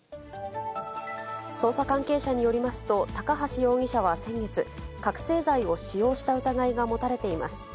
捜査関係者によりますと、高橋容疑者は先月、覚醒剤を使用した疑いが持たれています。